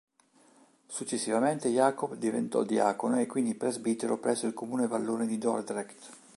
Successivamente Jacob diventò diacono e quindi presbitero presso il comune vallone di Dordrecht.